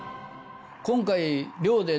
今回。